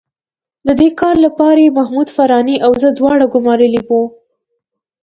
د دې کار لپاره یې محمود فاراني او زه دواړه ګومارلي وو.